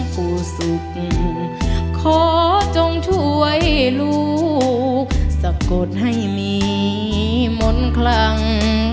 ผู้สุขดีขอจงช่วยลูกสะกดให้มีมนต์คลัง